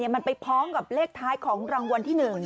มันไปพ้องกับเลขท้ายของรางวัลที่๑